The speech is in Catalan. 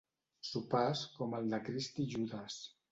Sopars com el de Crist i Judes.